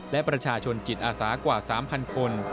และประชาชนจิตอาสากว่าสามพันคน